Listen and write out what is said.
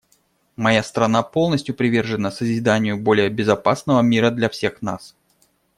Моя страна полностью привержена созиданию более безопасного мира для всех нас.